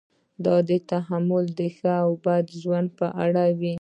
دا تحمیل د ښه او بد ژوند په اړه وي.